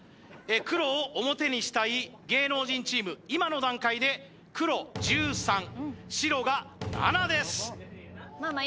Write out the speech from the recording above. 黒を表にしたい芸能人チーム今の段階で黒１３白が７ですまあまあ